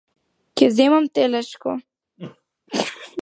Ќе земам телешко.